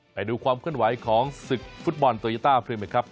ไปดูความขึ้นไหวของศึกฟุตบอลโตเยตตาเพื่อมีครับ